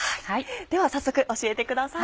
では早速教えてください。